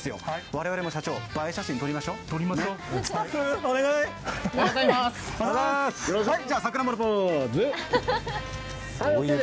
我々も映え写真撮りましょう。